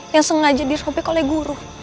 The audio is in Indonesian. yang sengaja diskopik oleh guru